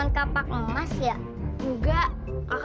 cok waist perlut masya allah